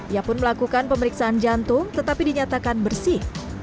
ia pun melakukan pemeriksaan jantung tetapi dinyatakan bersih